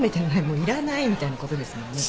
もういらないみたいなことですもんね。